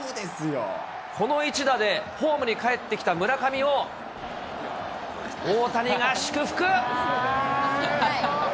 この一打で、ホームにかえってきた村上を、大谷が祝福。